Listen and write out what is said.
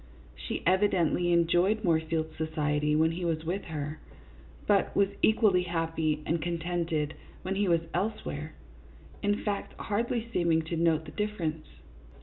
She evidently enjoyed Moorfield's society when he was with her, but was equally happy and contented when he was elsewhere, in fact, hardly seeming to note the difference.